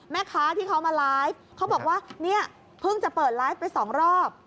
แม่ค้าที่เขามาไลฟ์เขาบอกว่าเนี่ยเพิ่งจะเปิดไลฟ์ไปสองรอบ